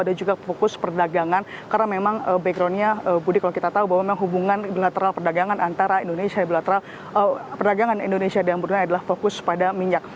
ada juga fokus perdagangan karena memang backgroundnya budi kalau kita tahu bahwa memang hubungan bilateral perdagangan antara indonesia perdagangan indonesia dan brunei adalah fokus pada minyak